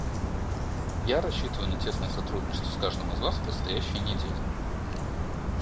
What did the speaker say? Я рассчитываю на тесное сотрудничество с каждым из вас в предстоящие недели.